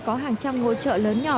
có hàng trăm ngôi chợ lớn nhỏ